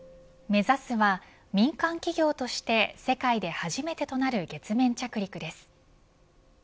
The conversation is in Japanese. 目指すは民間企業として世界で初めてとなる月面着陸です。